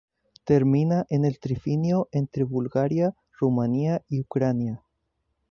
Termina en el trifinio entre Bulgaria, Rumanía y Ucrania.